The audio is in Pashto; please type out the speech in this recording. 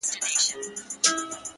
هغه زما خبري پټي ساتي ـ